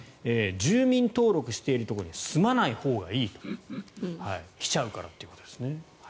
住民登録しているところに住まないほうがいいと。来ちゃうからということですね。